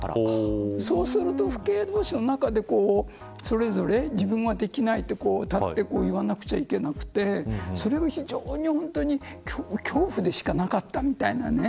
そうすると父兄同士の中でそれぞれ自分はできないと立って言わないといけなくてそれが非常に恐怖でしかなかったみたいなね。